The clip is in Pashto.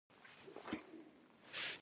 پر خپله لار روان و، موږ یې ولیدو.